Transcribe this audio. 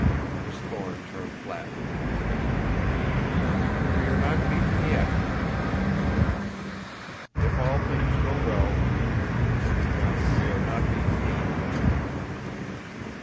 Miss Thorne turned flatly and faced him. "We are not beaten yet," she said slowly. "If all things go well we we are not beaten yet."